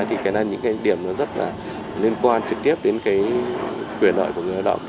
đó là những điểm rất liên quan trực tiếp đến quyền lợi của người lao động